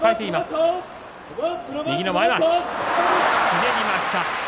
ひねりました。